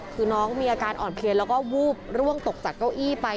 คือน้องมีอาการอ่อนเพลียแล้วก็วูบร่วงตกจากเก้าอี้ไป